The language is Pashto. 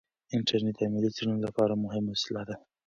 انټرنیټ د علمي څیړنو لپاره مهمه وسیله ده.